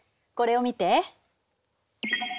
これを見て。